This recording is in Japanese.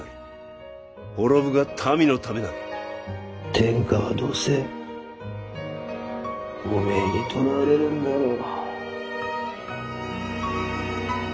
天下はどうせおめえに取られるんだろう。